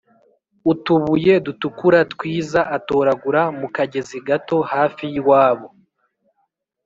utubuye dutukura twiza atoragura mu kagezi gato hafi y’iwabo